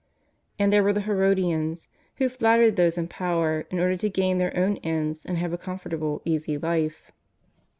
And there were the Herod ians, who flattered those in power in order to gain their own ends and have a com fortable, easy life.